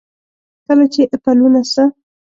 کله چې پلونه ستا،